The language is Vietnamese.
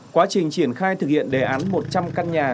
quá trình triển khai thực hiện đề án một trăm linh căn nhà